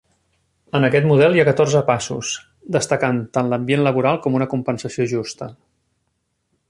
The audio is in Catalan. En aquest model hi ha catorze passos, destacant tant l'ambient laboral com una compensació justa.